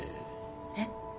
えっ？